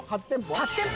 ８店舗？